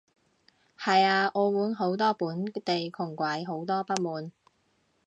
係啊，澳門好多本地窮鬼，好多不滿